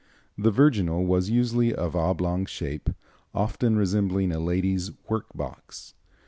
The virginal was usually of oblong shape, often resembling a lady's workbox.